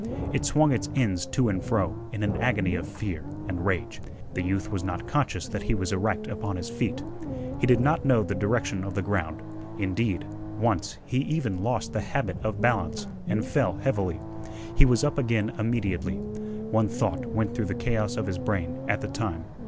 It swung its ends to and fro in an agony of fear and rage. The youth was not conscious that he was erect upon his feet. He did not know the direction of the ground. Indeed, once he even lost the habit of balance and fell heavily. He was up again immediately. One thought went through the chaos of his brain at the time.